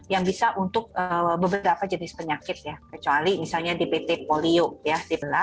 yang bisa untuk beberapa jenis penyakit ya kecuali misalnya dpt polio ya